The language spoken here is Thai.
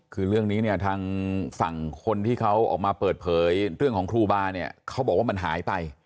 คือเรื่องนี้เนี่ยทางฝั่งคนที่เขาออกมาเปิดเผยเรื่องของครูบาเนี่ยเขาบอกว่ามันหายไป